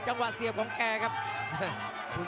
แชลเบียนชาวเล็ก